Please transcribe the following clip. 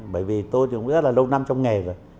bởi vì tôi thì cũng rất là lâu năm trong nghề rồi